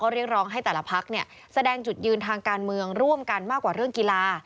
เรียกร้องให้แต่ละพักแสดงจุดยืนทางการเมืองร่วมกันมากกว่าเรื่องกีฬา